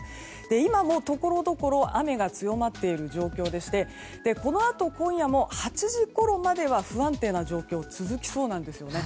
今もところどころ雨が強まっている状況でしてこのあと今夜も８時ごろまでは不安定な状況続きそうなんですよね。